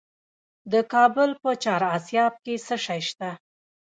د کابل په چهار اسیاب کې څه شی شته؟